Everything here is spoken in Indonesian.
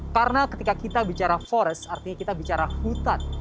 karena ketika kita bicara forest artinya kita bicara hutan